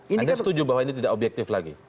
anda setuju bahwa ini tidak objektif lagi